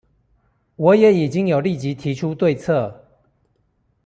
我也已經有立即提出對策